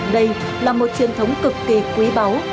đây là một truyền thống cực kỳ quý báu